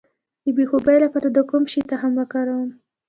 د بې خوبۍ لپاره د کوم شي تخم وکاروم؟